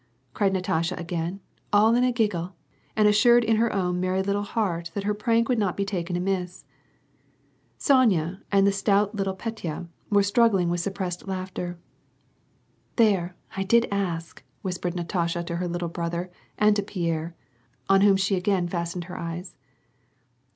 cried Natasha again, all in a giggle, and assured in her own merry little heart that her prank would not be taken amiss. Sonya and the stout little Petya were struggling with suj) pressed laughter. '•' There, I did ask," whispered Natasha to her little brother and to Pierre, on whom she again fastened her eyes.